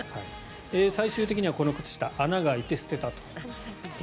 最終的にはこの靴下穴が開いて捨てたと。